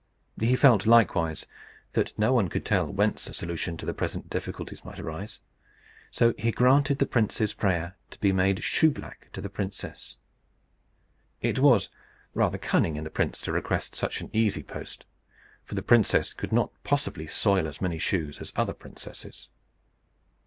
He felt likewise that no one could tell whence a solution of the present difficulties might arise. So he granted the prince's prayer to be made shoe black to the princess. It was rather cunning in the prince to request such an easy post, for the princess could not possibly soil as many shoes as other princesses.